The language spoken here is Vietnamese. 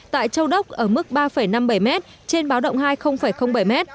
tại châu đốc ở mức ba năm mươi bảy m trên báo động hai bảy m